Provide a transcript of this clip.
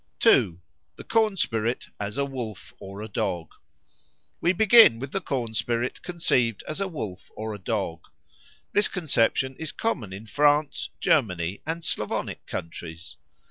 2. The Corn spirit as a Wolf or a Dog WE begin with the corn spirit conceived as a wolf or a dog. This conception is common in France, Germany, and Slavonic countries.